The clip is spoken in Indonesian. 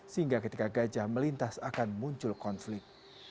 sehingga ketika gajah melintas akan muncul konflik